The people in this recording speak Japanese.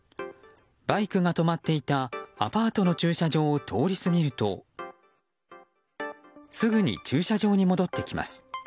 バイクが止まっていたアパートの駐車場を通り過ぎるとすぐに駐車場に戻ってきます。